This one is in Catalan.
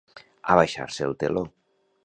Abaixar-se el teló.